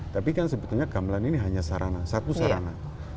tapi kan sebetulnya gamelan ini hanya sarana satu sarana